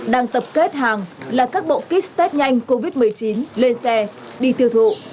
đang tập kết hàng là các bộ kit test nhanh covid một mươi chín lên xe đi tiêu thụ